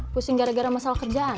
pusing gara gara masalah kerjaan